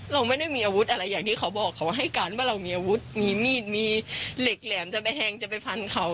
เราไม่ได้มีอาวุธอะไรอย่างที่เขาบอกเขาให้การว่าเรามีอาวุธมีมีดมีเหล็กแหลมจะไปแทงจะไปฟันเขา